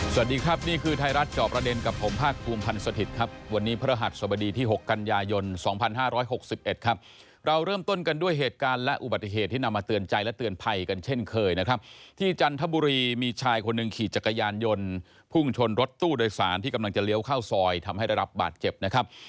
สวัสดีครับนี่คือไทยรัฐจอบประเด็นกับผมภาคภูมิพันธ์สถิตย์ครับวันนี้พระหัสสบดีที่๖กันยายน๒๕๖๑ครับเราเริ่มต้นกันด้วยเหตุการณ์และอุบัติเหตุที่นำมาเตือนใจและเตือนภัยกันเช่นเคยนะครับที่จันทบุรีมีชายคนหนึ่งขี่จักรยานยนต์พุ่งชนรถตู้โดยสารที่กำลังจะเลี้ยวเข้าซอยทำให้ได้รับบาดเจ็บนะครับ